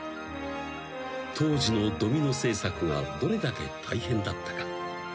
［当時のドミノ制作がどれだけ大変だったか］